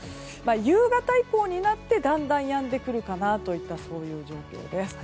夕方以降になってだんだんやんでくるかなという状況です。